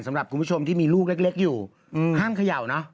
สำหรับคุณผู้ชมที่มีลูกเล็กอยู่ห้ามเขย่าเนอะ